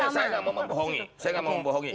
saya nggak mau membohongi saya nggak mau membohongi